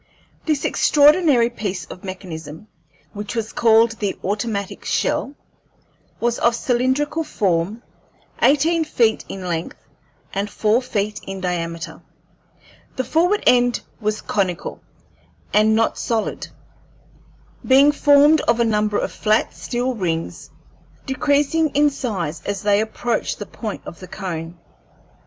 This extraordinary piece of mechanism, which was called the automatic shell, was of cylindrical form, eighteen feet in length and four feet in diameter. The forward end was conical and not solid, being formed of a number of flat steel rings, decreasing in size as they approached the point of the cone.